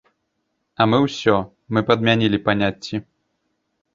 А мы ўсё, мы падмянілі паняцці.